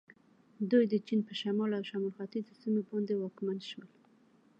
دوی د چین په شمال او شمال ختیځو سیمو باندې واکمن شول.